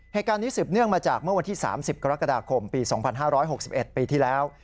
เหตุการณ์นี้สืบเนื่องมาจากเมื่อวันที่๓๐กรกฎาคมปี๒๕๖๑ปีที่แล้ว